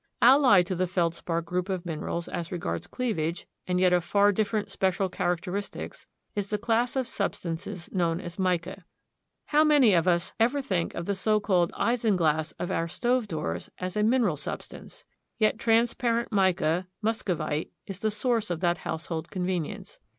Allied to the feldspar group of minerals as regards cleavage, and yet of far different special characteristics is the class of substances known as mica. How many of us ever think of the so called isinglass of our stove doors as a mineral substance? Yet transparent mica, muscovite, is the source of that household convenience.